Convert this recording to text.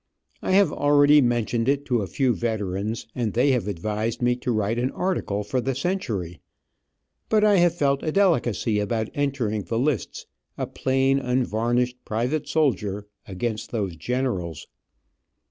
I have already mentioned it to a few veterans, and they have advised me to write an article for the Century, but I have felt a delicacy about entering the lists, a plain, unvarnished private soldier, against those generals.